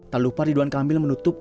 tak lupa ridwan kamil menutup